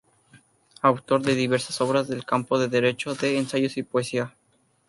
Autor de diversas obras del campo del Derecho, de ensayos y poesía.